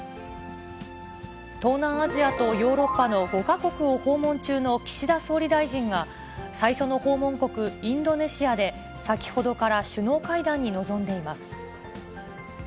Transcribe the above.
東南アジアとヨーロッパの５か国を訪問中の岸田総理大臣が、最初の訪問国、インドネシアで、先ほどから首脳会談に臨んでいます。